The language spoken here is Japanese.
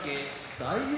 ・大栄